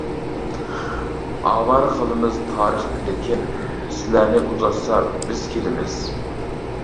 ئاۋارە قىلىمىز تارىخنى لېكىن، سىلەرنى ئۇزاتسا بىز كېلىمىز.